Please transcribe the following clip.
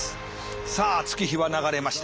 さあ月日は流れました。